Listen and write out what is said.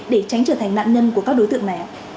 để tránh trở thành nạn nhân của các đối tượng này